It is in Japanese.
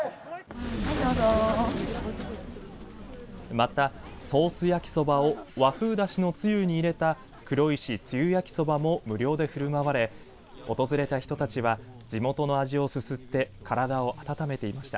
また、ソース焼きそばを和風だしのつゆに入れた黒石つゆやきそばも無料で振る舞われ訪れた人たちは地元の味をすすって体を温めていました。